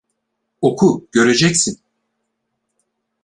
Oku, göreceksin!